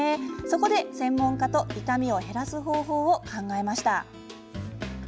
そこで専門家と痛みを減らす方法を考えました。